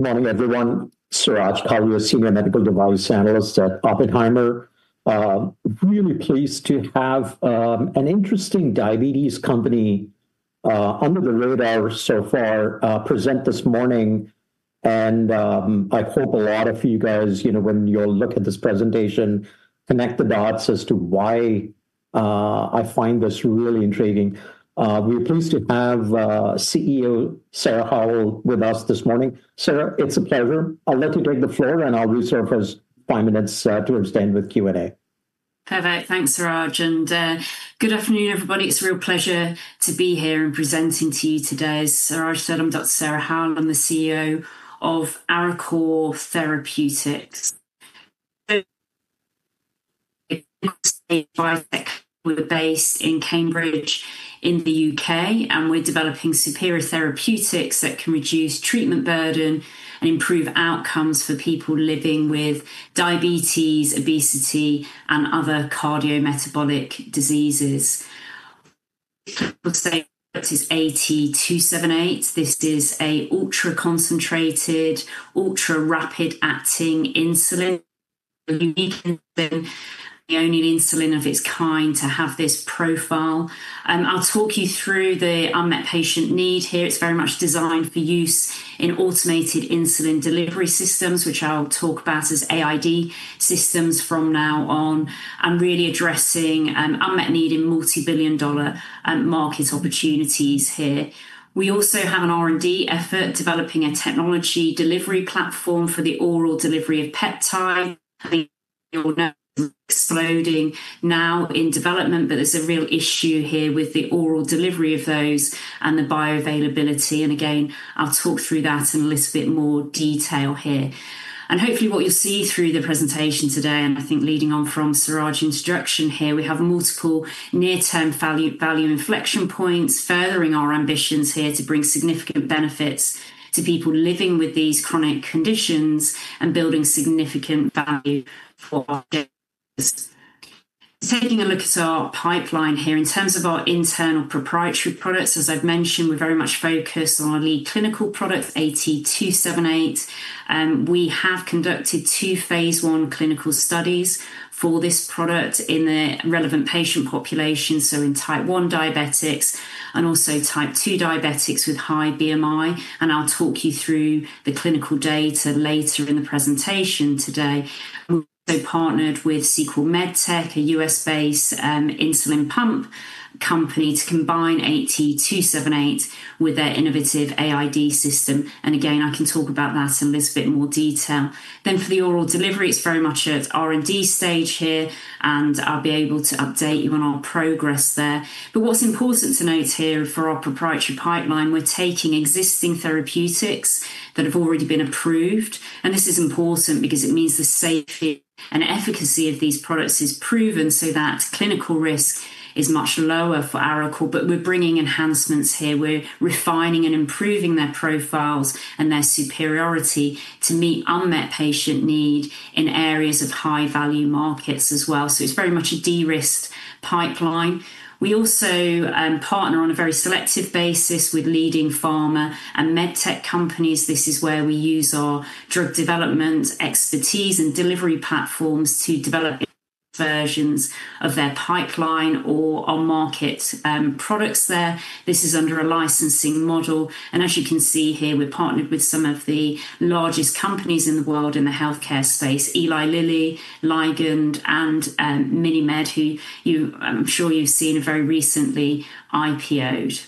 Morning, everyone. Suraj Kalia, Senior Medical Devices Analyst at Oppenheimer. Really pleased to have an interesting diabetes company under the radar so far present this morning. I hope a lot of you guys, you know, when you'll look at this presentation, connect the dots as to why I find this really intriguing. We're pleased to have CEO Sarah Howell with us this morning. Sarah, it's a pleasure. I'll let you take the floor, and I'll reserve us five minutes towards the end with Q&A. Perfect. Thanks, Suraj, and good afternoon, everybody. It's a real pleasure to be here and presenting to you today. As Suraj said, I'm Dr. Sarah Howell. I'm the CEO of Arecor Therapeutics. We are based in Cambridge in the U.K., and we're developing superior therapeutics that can reduce treatment burden and improve outcomes for people living with diabetes, obesity, and other cardiometabolic diseases. I would say what is AT278, this is an ultra-concentrated, ultra-rapid acting insulin. The unique thing, the only insulin of its kind to have this profile. I'll talk you through the unmet patient need here. It's very much designed for use in automated insulin delivery systems, which I'll talk about as AID systems from now on, and really addressing unmet need in multi-billion-dollar market opportunities here. We also have an R&D effort developing a technology delivery platform for the oral delivery of peptide. I think you all know GLP-1s exploding now in development, but there's a real issue here with the oral delivery of those and the bioavailability. Again, I'll talk through that in a little bit more detail here. Hopefully, what you'll see through the presentation today, and I think leading on from Suraj's introduction here, we have multiple near-term value inflection points, furthering our ambitions here to bring significant benefits to people living with these chronic conditions and building significant value for our shares. Taking a look at our pipeline here. In terms of our internal proprietary products, as I've mentioned, we're very much focused on our lead clinical product, AT278. We have conducted two phase I clinical studies for this product in the relevant patient population, so in Type 1 diabetics and also Type 2 diabetics with high BMI. I'll talk you through the clinical data later in the presentation today. We've also partnered with Sequel Med Tech, a U.S.-based insulin pump company, to combine AT278 with their innovative AID system. Again, I can talk about that in a little bit more detail. For the oral delivery, it's very much at R&D stage here, and I'll be able to update you on our progress there. What's important to note here for our proprietary pipeline, we're taking existing therapeutics that have already been approved. This is important because it means the safety and efficacy of these products is proven, so that clinical risk is much lower for Arecor. We're bringing enhancements here. We're refining and improving their profiles and their superiority to meet unmet patient need in areas of high-value markets as well. It's very much a de-risked pipeline. We also partner on a very selective basis with leading pharma and med tech companies. This is where we use our drug development expertise and delivery platforms to develop versions of their pipeline or our market products there. This is under a licensing model. As you can see here, we've partnered with some of the largest companies in the world in the healthcare space, Eli Lilly, Ligand, and MiniMed, who you, I'm sure you've seen very recently IPO'd.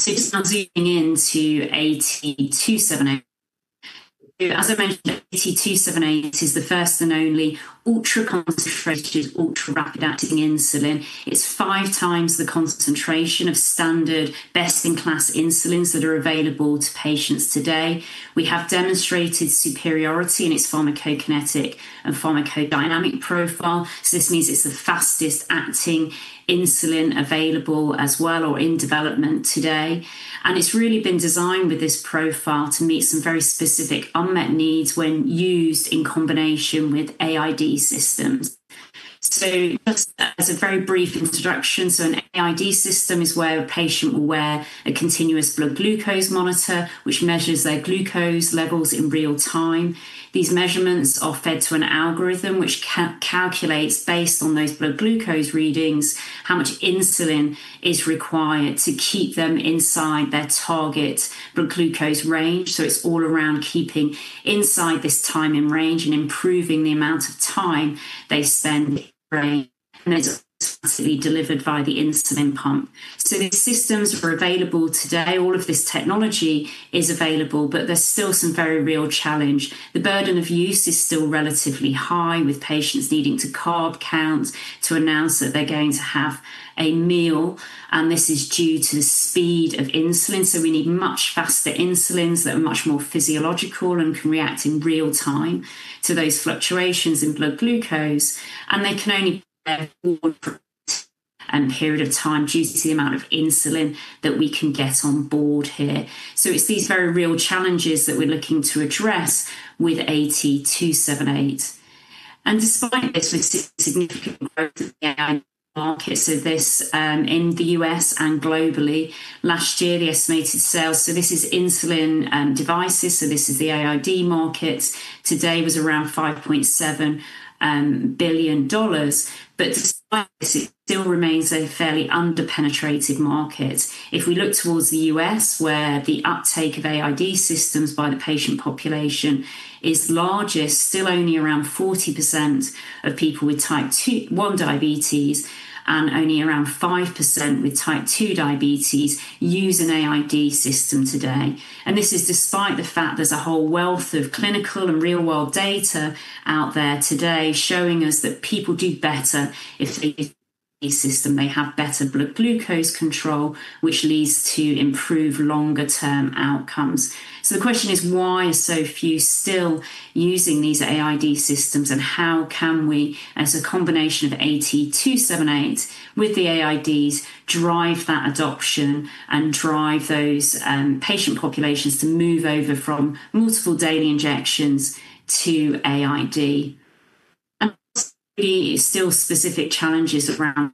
Just now zooming into AT278. As I mentioned, AT278 is the first and only ultra-concentrated, ultra-rapid acting insulin. It's five times the concentration of standard best-in-class insulins that are available to patients today. We have demonstrated superiority in its pharmacokinetic and pharmacodynamic profile. This means it's the fastest-acting insulin available as well or in development today. It's really been designed with this profile to meet some very specific unmet needs when used in combination with AID systems. Just as a very brief introduction. An AID system is where a patient will wear a continuous glucose monitor, which measures their glucose levels in real time. These measurements are fed to an algorithm which calculates based on those glucose readings, how much insulin is required to keep them inside their target glucose range. It's all around keeping inside this Time-in-Range and improving the amount of time they spend in range, and it's constantly delivered via the insulin pump. These systems are available today. All of this technology is available, but there's still some very real challenge. The burden of use is still relatively high, with patients needing to carb count to announce that they're going to have a meal, and this is due to the speed of insulin. We need much faster insulins that are much more physiological and can react in real time to those fluctuations in blood glucose, and they can only afford a period of time due to the amount of insulin that we can get on board here. It's these very real challenges that we're looking to address with AT278. Despite this, we've seen significant growth in the AID market. This, in the U.S. and globally. Last year, the estimated sales, so this is insulin, devices, so this is the AID market, today was around $5.7 billion. Despite this, it still remains a fairly under-penetrated market. If we look towards the U.S., where the uptake of AID systems by the patient population is largest, still only around 40% of people with Type 1 diabetes and only around 5% with Type 2 diabetes use an AID system today. This is despite the fact there's a whole wealth of clinical and real-world data out there today showing us that people do better if they use an AID system. They have better blood glucose control, which leads to improved longer-term outcomes. The question is, why are so few still using these AID systems? How can we, as a combination of AT278 with the AIDs, drive that adoption and drive those patient populations to move over from multiple daily injections to AID? Obviously, still specific challenges around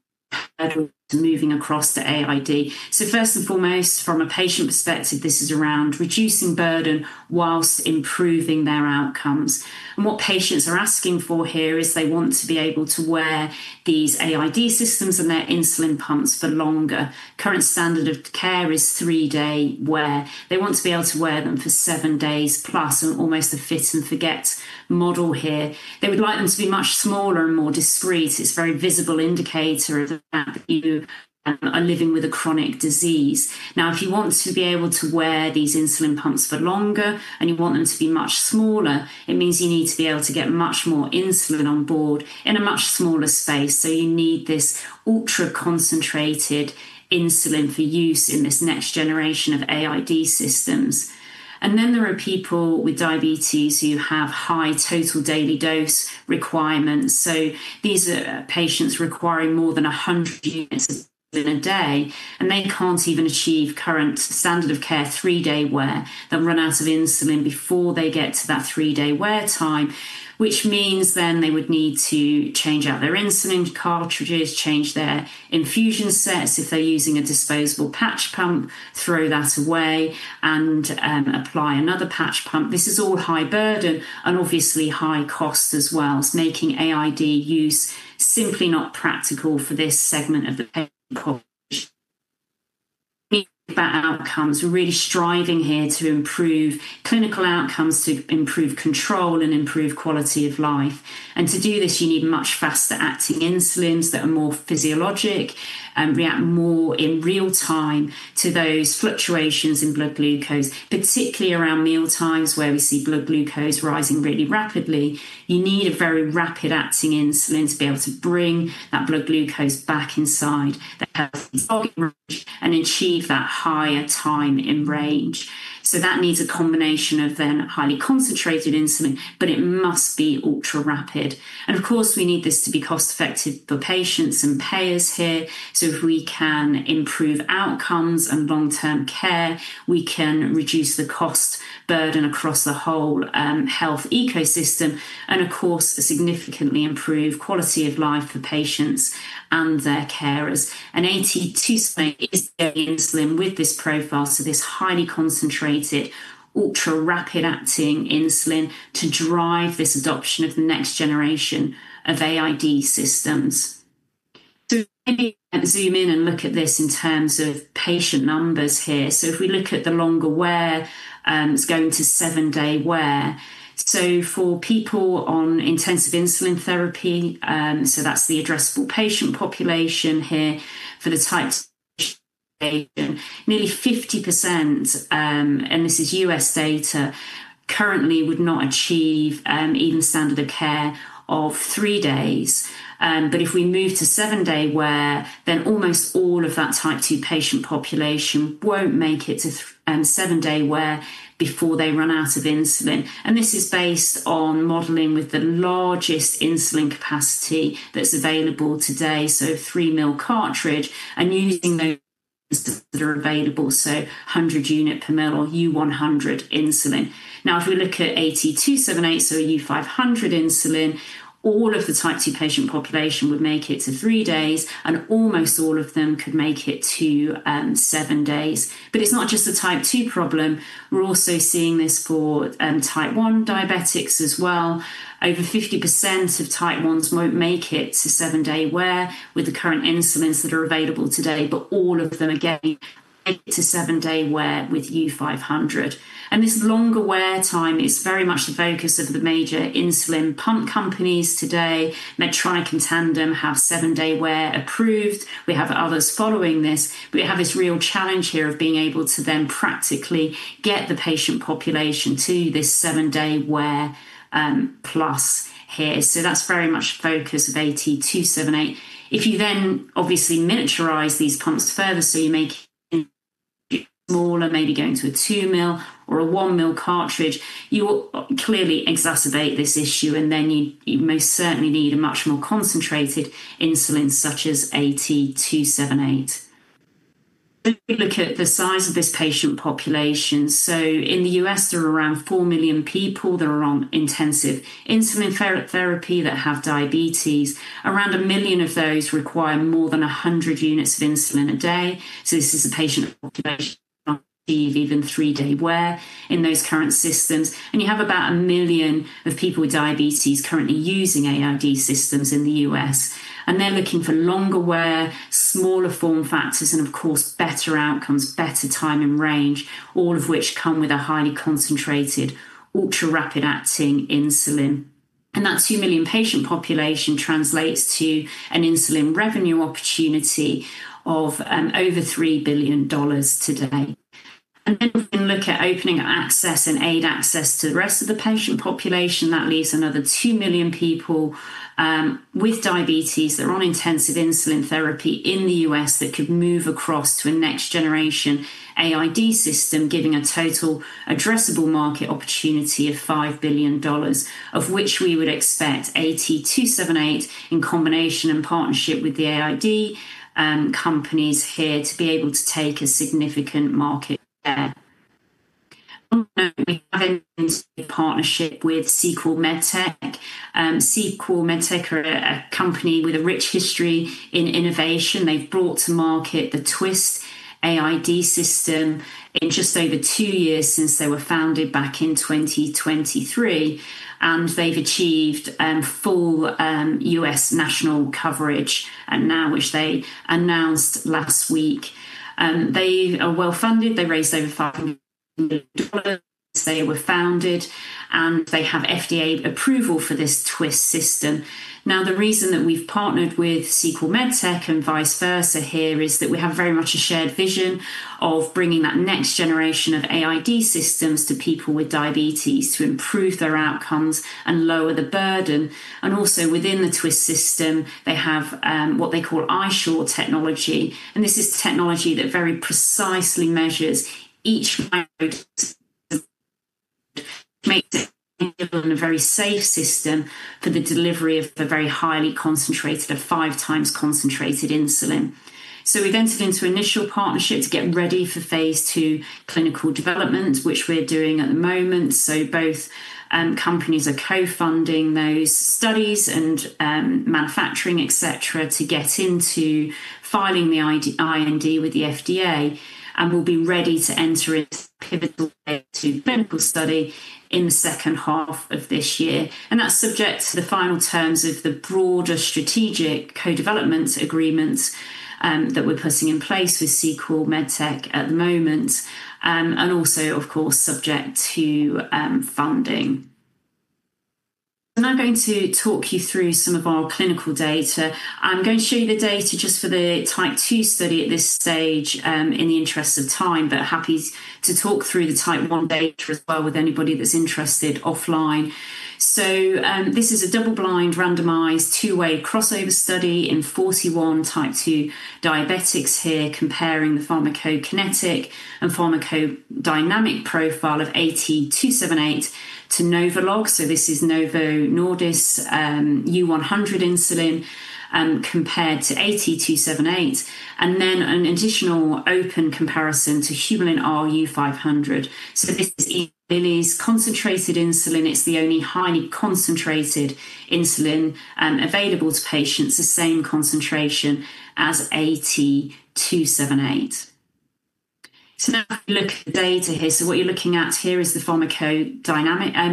moving across to AID. First and foremost, from a patient perspective, this is around reducing burden whilst improving their outcomes. What patients are asking for here is they want to be able to wear these AID systems and their insulin pumps for longer. Current standard of care is three-day wear. They want to be able to wear them for 7 days plus, in almost a fit-and-forget model here. They would like them to be much smaller and more discreet. It's a very visible indicator of the fact that you are living with a chronic disease. Now, if you want to be able to wear these insulin pumps for longer, and you want them to be much smaller, it means you need to be able to get much more insulin on board in a much smaller space. You need this ultra-concentrated insulin for use in this next generation of AID systems. There are people with diabetes who have high total daily dose requirements. These are patients requiring more than 100 units of insulin a day, and they can't even achieve current standard of care three-day wear. They'll run out of insulin before they get to that three-day wear time, which means they would need to change out their insulin cartridges, change their infusion sets. If they're using a disposable patch pump, throw that away and apply another patch pump. This is all high burden and obviously high cost as well. It's making AID use simply not practical for this segment of the patient population. We're really striving here to improve clinical outcomes, to improve control, and improve quality of life. To do this, you need much faster-acting insulins that are more physiologic and react more in real time to those fluctuations in blood glucose, particularly around mealtimes where we see blood glucose rising really rapidly. You need a very rapid-acting insulin to be able to bring that blood glucose back inside the healthy target range and achieve that higher Time-in-Range. That needs a combination of then highly concentrated insulin, but it must be ultrarapid. Of course, we need this to be cost-effective for patients and payers here. If we can improve outcomes and long-term care, we can reduce the cost burden across the whole health ecosystem and of course significantly improve quality of life for patients and their carers. AT278 is the insulin with this profile, so this highly concentrated, ultrarapid-acting insulin to drive this adoption of the next generation of AID systems. Maybe we can zoom in and look at this in terms of patient numbers here. If we look at the longer wear, it's going to 7-day wear. For people on intensive insulin therapy, that's the addressable patient population here. For the Type 2 nearly 50%, and this is U.S. data, currently would not achieve even standard of care of three days. But if we move to 7-day wear, then almost all of that Type 2 patient population won't make it to 7-day wear before they run out of insulin. This is based on modeling with the largest insulin capacity that's available today, so 3 ml cartridge, and using those that are available, so 100 units per ml or U-100 insulin. Now, if we look at AT278, so U-500 insulin, all of the Type 2 patient population would make it to three days, and almost all of them could make it to 7 days. It's not just a Type 2 problem. We're also seeing this for Type 1 diabetics as well. Over 50% of Type 1s won't make it to 7-day wear with the current insulins that are available today, but all of them, again, make it to 7-day wear with U-500. This longer wear time is very much the focus of the major insulin pump companies today. Medtronic and Tandem have 7-day wear approved. We have others following this. We have this real challenge here of being able to then practically get the patient population to this 7-day wear, plus here. That's very much the focus of AT278. If you then obviously miniaturize these pumps further, so you make smaller, maybe going to a 2 ml or a 1 ml cartridge, you will clearly exacerbate this issue. Then you most certainly need a much more concentrated insulin, such as AT278. If you look at the size of this patient population. In the U.S., there are around 4 million people that are on intensive insulin therapy that have diabetes. Around 1 million of those require more than 100 units of insulin a day. This is a patient population three day wear in those current systems. You have about 1 million of people with diabetes currently using AID systems in the U.S. and they are looking for longer wear, smaller form factors and of course better outcomes, better Time-in-Range, all of which come with highly concentrated ultra-rapid-acting insulin. That's 2 million population translates to an insulin revenue opportunity of over $3 billion to today. Then we can look at opening access and AID access to the rest of the patient population. That leaves another 2 million people with diabetes that are on intensive insulin therapy in the U.S. that could move across to a next generation AID system, giving a total addressable market opportunity of $5 billion, of which we would expect AT278 in combination and partnership with the AID companies here to be able to take a significant market share. Now if we look at the data here. What you're looking at here is the pharmacodynamic,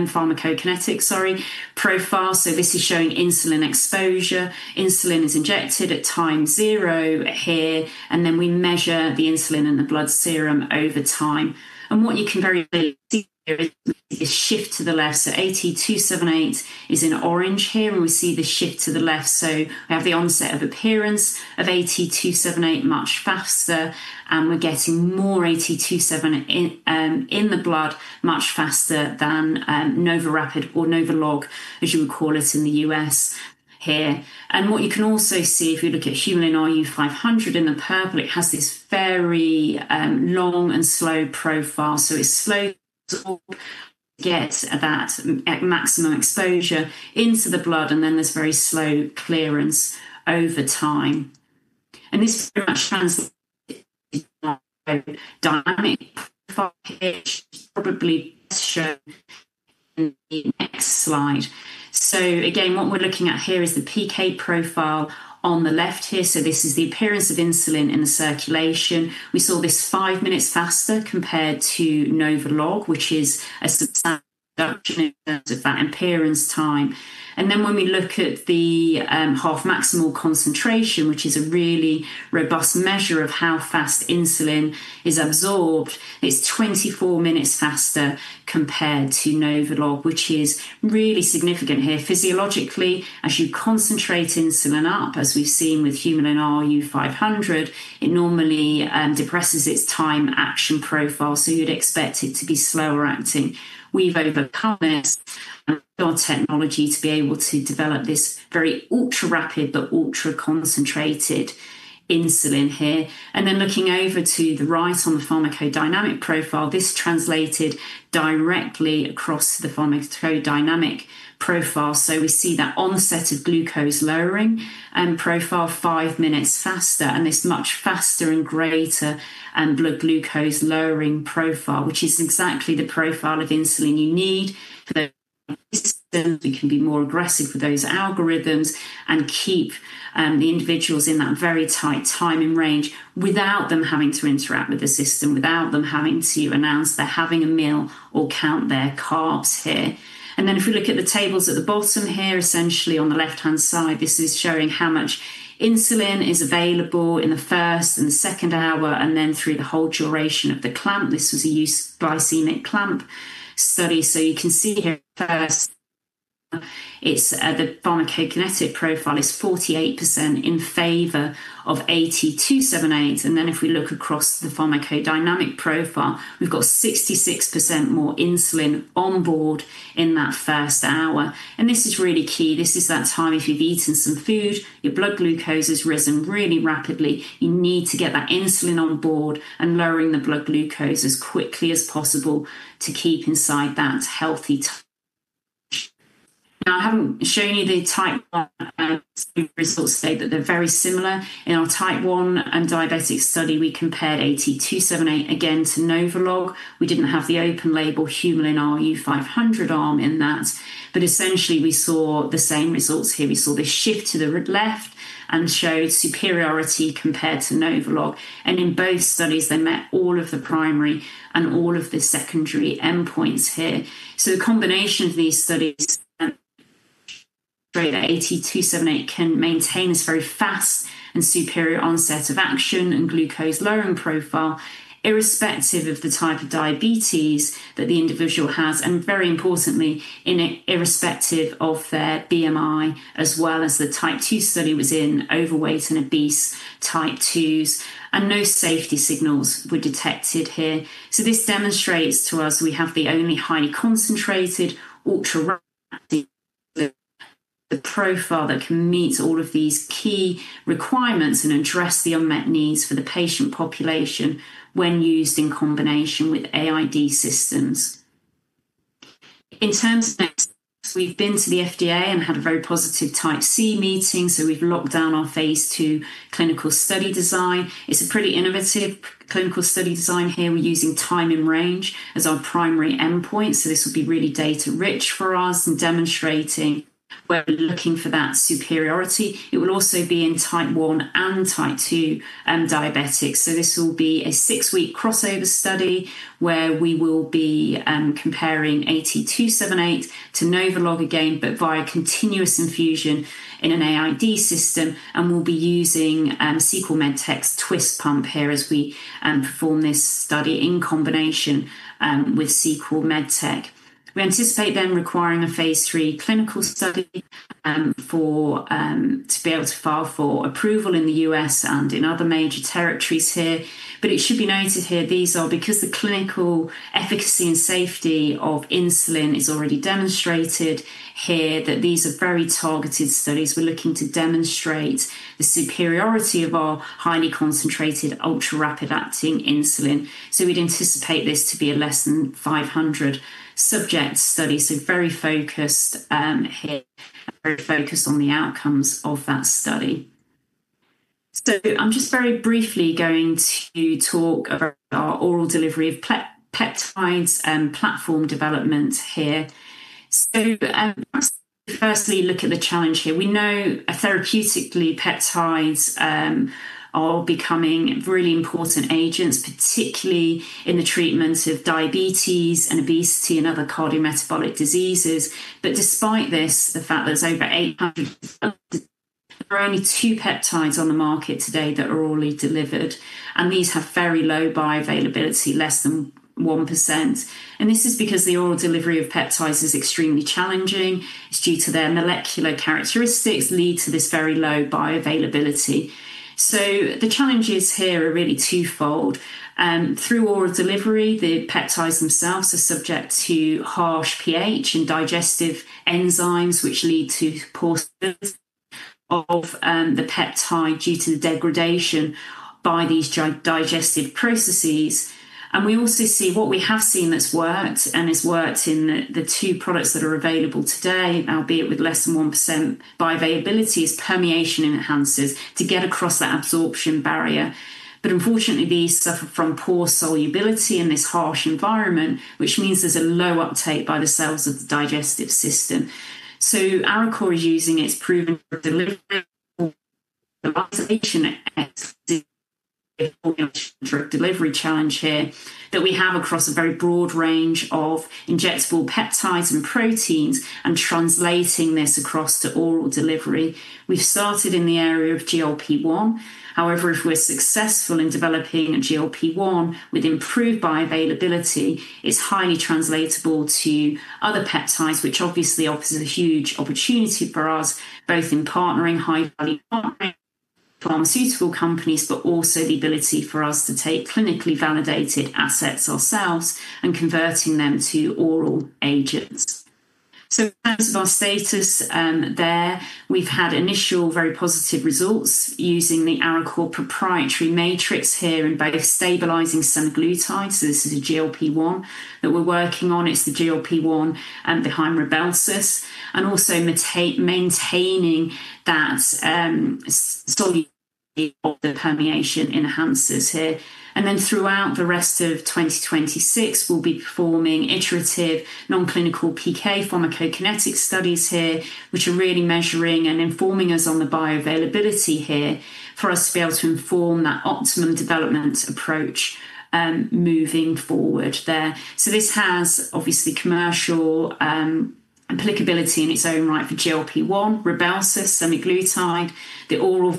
pharmacokinetic, sorry, profile. This is showing insulin exposure. Insulin is injected at time zero here, and then we measure the insulin in the blood serum over time. What you can very clearly see here is a shift to the left. AT278 is in orange here, and we see the shift to the left. We have the onset of appearance of AT278 much faster, and we're getting more AT278 in the blood much faster than NovoRapid or NovoLog, as you would call it in the U.S. here. What you can also see, if you look at Humulin R U-500 in the purple, it has this very long and slow profile. It's slow to get that maximum exposure into the blood, and then there's very slow clearance over time. This very much translates to the pharmacodynamic profile here, which is probably best shown in the next slide. Again, what we're looking at here is the PK profile on the left here. This is the appearance of insulin in the circulation. We saw this five minutes faster compared to NovoLog, which is a substantial reduction in terms of that appearance time. When we look at the half maximal concentration, which is a really robust measure of how fast insulin is absorbed, it's 24 minutes faster compared to NovoLog, which is really significant here. Physiologically, as you concentrate insulin up, as we've seen with Humulin R U-500, it normally depresses its time action profile, so you'd expect it to be slower acting. We've overcome this with our technology to be able to develop this very ultra-rapid but ultra-concentrated insulin here. Looking over to the right on the pharmacodynamic profile, this translated directly across the pharmacodynamic profile. We see that onset of glucose lowering profile 5 minutes faster and this much faster and greater blood glucose lowering profile, which is exactly the profile of insulin you need for those. We can be more aggressive with those algorithms and keep the individuals in that very tight Time-in-Range without them having to interact with the system, without them having to announce they're having a meal or count their carbs here. If we look at the tables at the bottom here, essentially on the left-hand side, this is showing how much insulin is available in the first and second hour, and then through the whole duration of the clamp. This was an euglycemic clamp study. You can see here first, it's the pharmacokinetic profile is 48% in favor of AT278. If we look across the pharmacodynamic profile, we've got 66% more insulin on board in that first hour. This is really key. This is that time if you've eaten some food, your blood glucose has risen really rapidly. You need to get that insulin on board and lowering the blood glucose as quickly as possible to keep inside that healthy time. Now, I haven't shown you the Type 1 results. I say that they're very similar. In our Type 1 diabetic study, we compared AT278 again to NovoLog. We didn't have the open label Humulin R U-500 arm in that. Essentially, we saw the same results here. We saw this shift to the left and showed superiority compared to NovoLog. In both studies, they met all of the primary and all of the secondary endpoints here. The combination of these studies AT278 can maintain this very fast and superior onset of action and glucose-lowering profile irrespective of the type of diabetes that the individual has, and very importantly, irrespective of their BMI, as well as the Type 2 study was in overweight and obese Type 2s, and no safety signals were detected here. This demonstrates to us we have the only highly concentrated ultra-rapid profile that can meet all of these key requirements and address the unmet needs for the patient population when used in combination with AID systems. In terms of next, we've been to the FDA and had a very positive Type C meeting, so we've locked down our phase 2 clinical study design. It's a pretty innovative clinical study design here. We're using Time-in-Range as our primary endpoint, so this will be really data-rich for us in demonstrating where we're looking for that superiority. It will also be in Type 1 and Type 2 diabetics. This will be a six-week crossover study where we will be comparing AT278 to NovoLog again, but via continuous infusion in an AID system, and we'll be using Sequel Med Tech's twiist pump here as we perform this study in combination with Sequel Med Tech. We anticipate then requiring a phase III clinical study for to be able to file for approval in the U.S. and in other major territories here. It should be noted here, these are because the clinical efficacy and safety of insulin is already demonstrated here, that these are very targeted studies. We're looking to demonstrate the superiority of our highly concentrated ultra-rapid-acting insulin. We'd anticipate this to be a less than 500-subject study, very focused on the outcomes of that study. I'm just very briefly going to talk about our oral delivery of peptides and platform development here. Firstly, look at the challenge here. We know therapeutically, peptides are becoming really important agents, particularly in the treatment of diabetes and obesity and other cardiometabolic diseases. Despite this, the fact that there are over 800, there are only two peptides on the market today that are orally delivered, and these have very low bioavailability, less than 1%. This is because the oral delivery of peptides is extremely challenging. It's due to their molecular characteristics lead to this very low bioavailability. The challenges here are really twofold. Through oral delivery, the peptides themselves are subject to harsh pH and digestive enzymes which lead to poor bioavailability of the peptide due to the degradation by these drug digestive processes. We also see what we have seen that's worked, and it's worked in the two products that are available today, albeit with less than 1% bioavailability as permeation enhancers to get across that absorption barrier. Unfortunately, these suffer from poor solubility in this harsh environment, which means there's a low uptake by the cells of the digestive system. Arecor is using its proven delivery challenge here that we have across a very broad range of injectable peptides and proteins and translating this across to oral delivery. We've started in the area of GLP-1. However, if we're successful in developing a GLP-1 with improved bioavailability, it's highly translatable to other peptides, which obviously offers a huge opportunity for us, both in partnering high-value pharmaceutical companies, but also the ability for us to take clinically validated assets ourselves and converting them to oral agents. In terms of our status there, we've had initial very positive results using the Arecor proprietary matrix here in both stabilizing semaglutide. This is a GLP-1 that we're working on. It's the GLP-1 behind Rybelsus, and also maintaining that solubility of the permeation enhancers here. Throughout the rest of 2026, we'll be performing iterative non-clinical PK pharmacokinetic studies here, which are really measuring and informing us on the bioavailability here for us to be able to inform that optimum development approach moving forward there. This has obviously commercial applicability in its own right for GLP-1, Rybelsus, semaglutide, the oral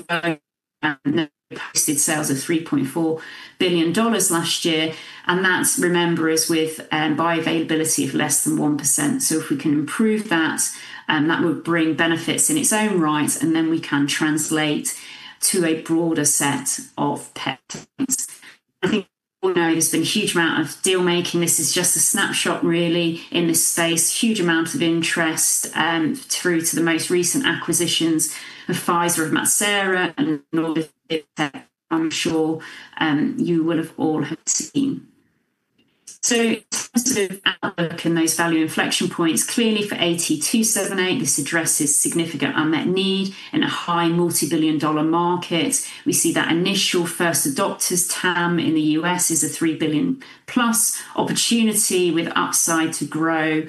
posted sales of $3.4 billion last year. That's, remember, is with bioavailability of less than 1%. If we can improve that would bring benefits in its own right, and then we can translate to a broader set of peptides. I think we know there's been a huge amount of deal-making. This is just a snapshot really in this space. Huge amount of interest through to the most recent acquisitions of Pfizer, of Metsera and I'm sure you would all have seen. Outlook in those value inflection points. Clearly for AT278, this addresses significant unmet need in a high multi-billion dollar market. We see that initial first adopters TAM in the U.S. is a $3 billion-plus opportunity with upside to grow,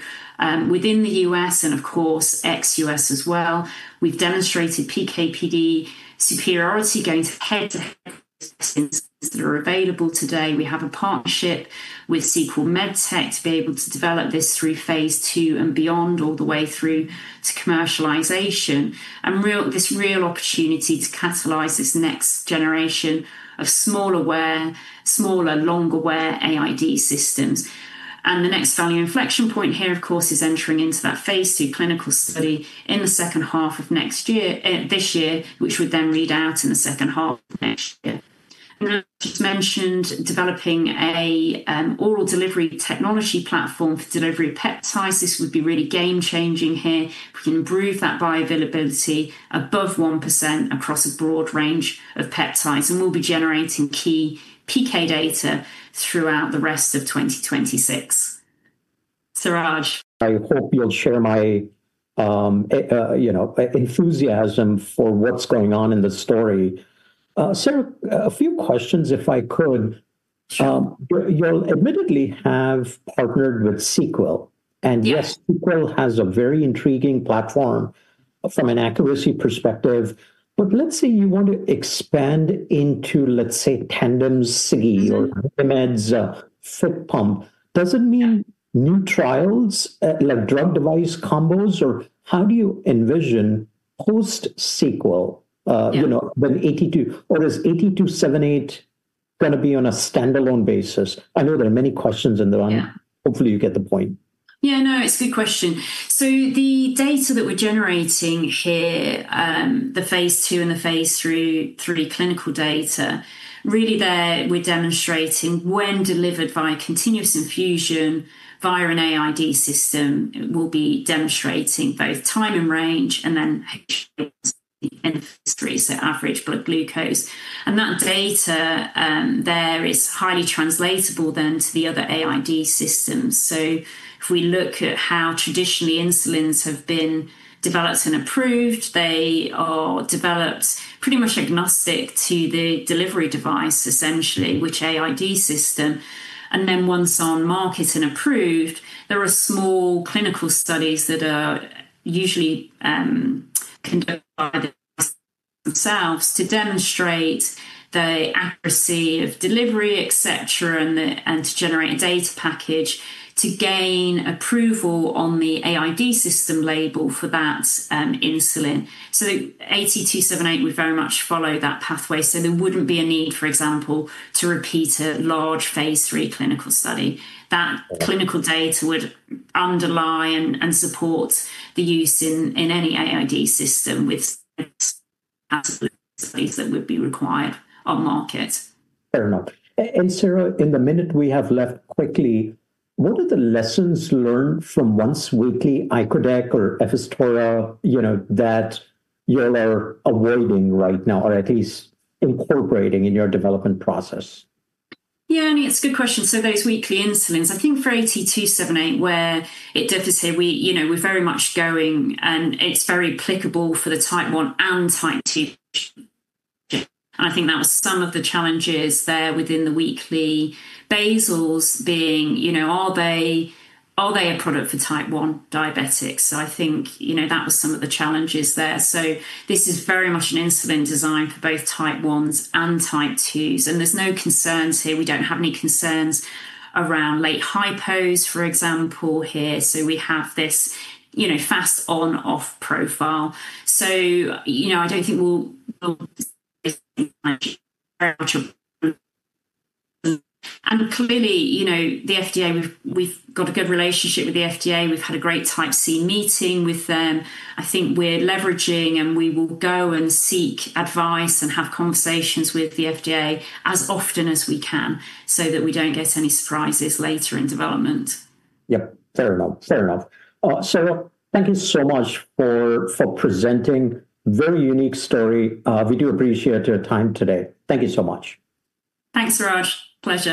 within the U.S. and of course ex-U.S. as well. We've demonstrated PK/PD superiority going head-to-head that are available today. We have a partnership with Sequel Med Tech to be able to develop this through phase II and beyond, all the way through to commercialization. This real opportunity to catalyze this next generation of smaller, longer wear AID systems. The next value inflection point here, of course, is entering into that phase II clinical study in the second half of next year, this year, which would then read out in the second half of next year. As I just mentioned, developing a oral delivery technology platform for delivery of peptides. This would be really game-changing here. We can improve that bioavailability above 1% across a broad range of peptides, and we'll be generating key PK data throughout the rest of 2026. Suraj. I hope you'll share my, you know, enthusiasm for what's going on in the story. Sarah, a few questions, if I could. Sure. You'll admittedly have partnered with Sequel. Yes. Yes, Sequel has a very intriguing platform from an accuracy perspective. Let's say you want to expand into, let's say, Tandem's Sigi or Medtronic's tubed pump. Does it mean new trials, like drug device combos, or how do you envision post-Sequel? You know, when is AT278 gonna be on a standalone basis? I know there are many questions in the room. Hopefully, you get the point. Yeah. No, it's a good question. The data that we're generating here, the phase II and the phase III clinical data, really there we're demonstrating when delivered via continuous infusion via an AID system, it will be demonstrating both Time-in-Range, and then average blood glucose. That data, there is highly translatable then to the other AID systems. If we look at how traditionally insulins have been developed and approved, they are developed pretty much agnostic to the delivery device essentially, which AID system. Once on market and approved, there are small clinical studies that are usually conducted by themselves to demonstrate the accuracy of delivery, et cetera, and to generate a data package to gain approval on the AID system label for that insulin. The AT278 would very much follow that pathway. There wouldn't be a need, for example, to repeat a large phase III clinical study. That clinical data would underlie and support the use in any AID system with additional studies that would be required on market. Fair enough. Sarah, in the minute we have left, quickly, what are the lessons learned from once-weekly icodec or efsitora, you know, that y'all are avoiding right now or at least incorporating in your development process? Yeah, I mean, it's a good question. Those weekly insulins, I think for AT278, where it differs here, we, you know, we're very much going, and it's very applicable for the Type 1 and Type 2 and I think that was some of the challenges there within the weekly basals being, you know, are they, are they a product for Type 1 diabetics? I think, you know, that was some of the challenges there. This is very much an insulin designed for both Type 1s and Type 2s, and there's no concerns here. We don't have any concerns around late hypos, for example, here. We have this, you know, fast on/off profile. You know, I don't think we'll. Clearly, you know, the FDA, we've got a good relationship with the FDA. We've had a great Type C meeting with them. I think we're leveraging, and we will go and seek advice and have conversations with the FDA as often as we can so that we don't get any surprises later in development. Yep. Fair enough. Sarah, thank you so much for presenting. Very unique story. We do appreciate your time today. Thank you so much. Thanks, Suraj. Pleasure.